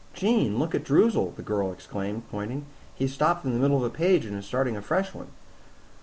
"Jean, look at Droozle," the girl exclaimed, pointing. "He has stopped in the middle of a page and is starting on a fresh one."